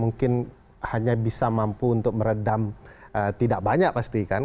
mungkin hanya bisa mampu untuk meredam tidak banyak pasti kan